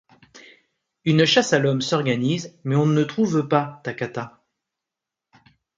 Une chasse à l'homme s'organise, mais on ne trouve pas Tacata.